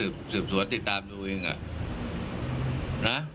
เดี๋ยวเขาสืบสวดติดตามดูเองอ่ะ